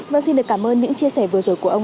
vâng xin được cảm ơn những chia sẻ vừa rồi của ông